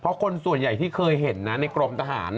เพราะคนส่วนใหญ่ที่เคยเห็นนะในกรมทหาร